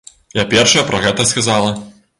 Я першая пра гэта сказала.